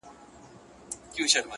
وخت و تېر شو چې ویل يې ياران ډېر دي